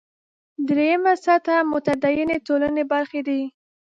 درېیمه سطح متدینې ټولنې برخې دي.